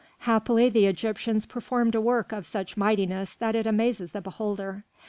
Happily the Egyptians performed a work of such mightiness that it amazes the beholder.